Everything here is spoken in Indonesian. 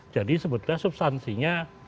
jadi sebetulnya substansinya